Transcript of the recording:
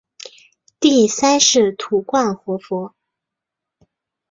第三世土观活佛。